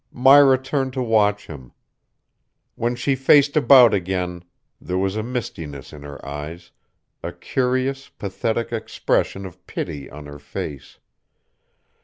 Myra turned to watch him. When she faced about again there was a mistiness in her eyes, a curious, pathetic expression of pity on her face.